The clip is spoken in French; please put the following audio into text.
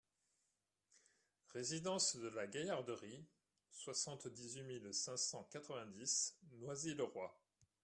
Résidence de la Gaillarderie, soixante-dix-huit mille cinq cent quatre-vingt-dix Noisy-le-Roi